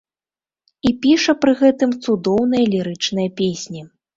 І піша пры гэтым цудоўныя лірычныя песні.